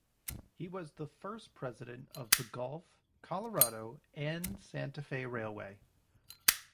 He was the first president of the Gulf, Colorado and Santa Fe Railway.